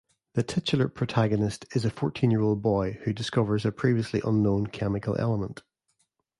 The titular protagonist is a fourteen-year-old boy who discovers a previously unknown chemical element.